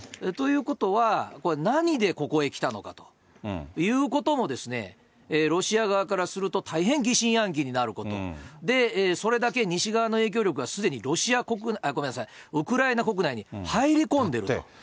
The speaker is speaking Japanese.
ということは、何でここへ来たのかということもロシア側からすると大変疑心暗鬼になることで、それだけ西側の影響力がすでにロシア、ごめんなさい、ウクライナ国内に入り込んでると。